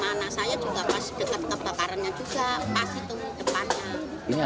juga karena rumah anak saya juga pas dekat kebakarannya juga pasti temui depannya ini